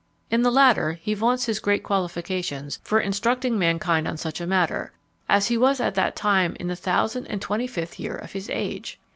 In the latter he vaunts his great qualifications for instructing mankind on such a matter, as he was at that time in the thousand and twenty fifth year of his age!